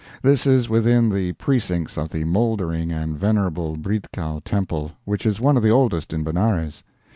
This is within the precincts of the mouldering and venerable Briddhkal Temple, which is one of the oldest in Benares.